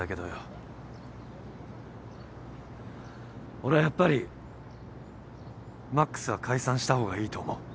俺はやっぱり魔苦須は解散した方がいいと思う。